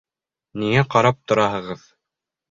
Ниңә ҡарап тораһығыҙ?